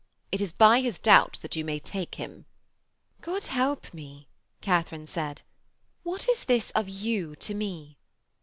It is by his doubts that you may take him.' 'God help me,' Katharine said. 'What is this of "you" to me?'